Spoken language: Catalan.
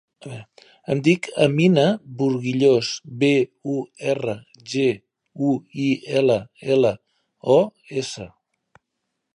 Em dic Amina Burguillos: be, u, erra, ge, u, i, ela, ela, o, essa.